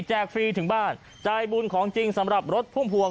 ฟรีถึงบ้านจ่ายบุญของจริงสำหรับรถพุ่มพวง